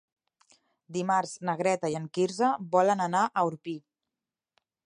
Dimarts na Greta i en Quirze volen anar a Orpí.